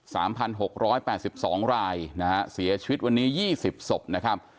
สามพันหกร้อยแปดสิบสองรายนะฮะเสียชีวิตวันนี้ยี่สิบศพนะครับ